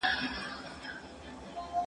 زه به سبا د کتابتون کتابونه لوستل کوم!!